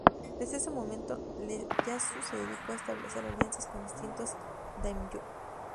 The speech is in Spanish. Desde ese momento, Ieyasu se dedicó a establecer alianzas con distintos "daimyō".